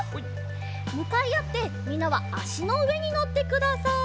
むかいあってみんなはあしのうえにのってください。